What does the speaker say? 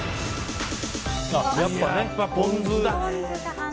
やっぱポン酢だね。